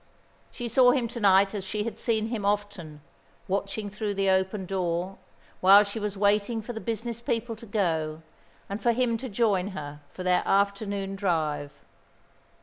She saw him to night as she had seen him often, watching through the open door, while she was waiting for the business people to go, and for him to join her for their afternoon drive.